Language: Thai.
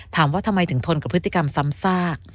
ทำไมถึงทนกับพฤติกรรมซ้ำซาก